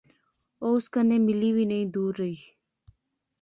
او اس کنے ملی وی نئیں، دور رہی